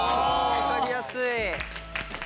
分かりやすい。